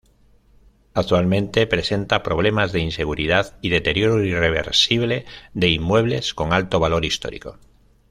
Actualmente presenta problemas de inseguridad y deterioro irreversible de inmuebles con alto valor histórico.